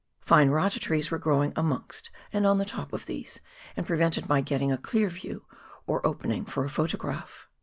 Fine rata trees were growing amongst and on the top of these, and prevented my getting a clear view, or opening, for a photograph.